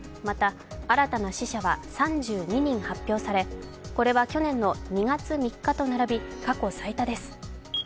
また、新たな死者は３２人発表されこれは去年の２月３日と並び過去最多です。